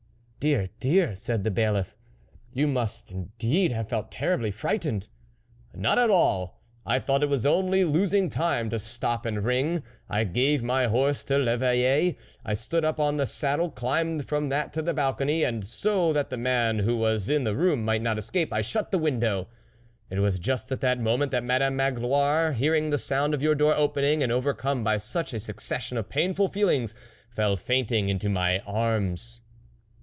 " "Dear! dear! ..." said the bailiff, "you must indeed have felt terribly frightened." " Not at all ! I thought it was only losing time to stop and ring ; I gave my horse to 1'Eveille, I stood up on the saddle, climbed from that to the balcony, and, so that the man who was in the room might not escape, I shut the win dow. It was just at that moment that Madame Magloire, hearing the sound of your door opening, and overcome by such a succession of painful feelings, fell faint ing into my arms."